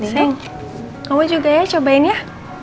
sayang kamu juga ya cobain ya